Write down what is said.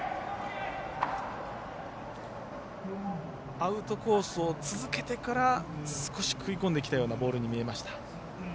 アウトコースを続けてから少し食い込んできたようなボールに見えました。